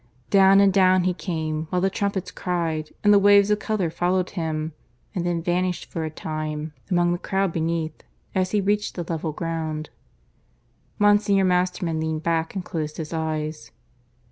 Down and down he came, while the trumpets cried, and the waves of colour followed him, and then vanished for a time among the crowd beneath, as he reached the level ground. Monsignor Masterman leaned back and closed his eyes.